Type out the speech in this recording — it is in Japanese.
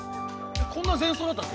こんな前奏だったっけ？